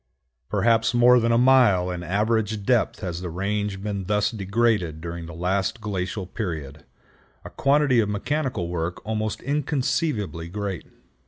Perhaps more than a mile in average depth has the range been thus degraded during the last glacial period,—a quantity of mechanical work almost inconceivably great.